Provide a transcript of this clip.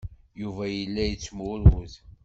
Yuba yella yettmurud.